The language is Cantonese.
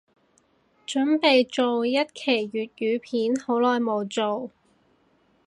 凖備做新一期粤語片，好耐無做